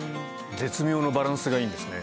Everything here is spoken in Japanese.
絶妙のバランスがいいんですね。